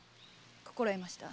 心得ました。